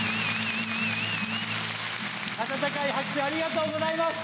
温かい拍手ありがとうございます。